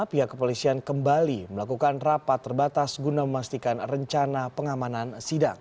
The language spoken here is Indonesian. pihak kepolisian kembali melakukan rapat terbatas guna memastikan rencana pengamanan sidang